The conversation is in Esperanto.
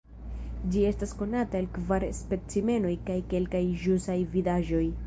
Ĝi estas konata el kvar specimenoj kaj kelkaj ĵusaj vidaĵoj.